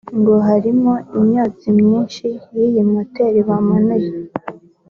ngo harimo imyotsi myinshi y’iyi moteri bamanuye